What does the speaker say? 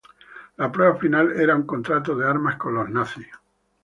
La prueba final era un contrato de armas con los nazis.